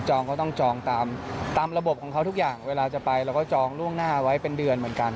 ก็ต้องจองตามระบบของเขาทุกอย่างเวลาจะไปเราก็จองล่วงหน้าไว้เป็นเดือนเหมือนกัน